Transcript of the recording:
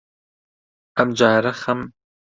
ئەمجارە خەم